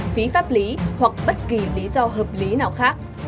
phí pháp lý hoặc bất kỳ lý do hợp lý nào khác